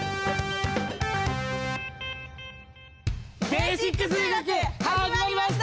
「ベーシック数学」始まりました！